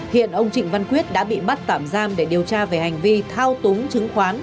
hiện ông trịnh văn quyết đã bị bắt tạm giam để điều tra về hành vi thao túng chứng khoán